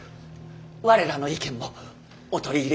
我らの意見もお取り入れ。